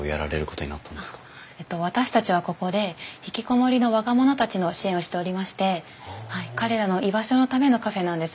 私たちはここで引きこもりの若者たちの支援をしておりまして彼らの居場所のためのカフェなんです。